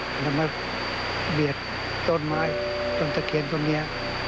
มันจะเบียดต้นไม้จนจะเขียนตรงนี้